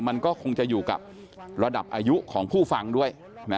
มันก็คงจะอยู่กับระดับอายุของผู้ฟังด้วย